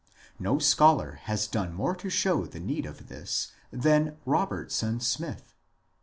No scholar has done more to show the need of this than Robertson Smith.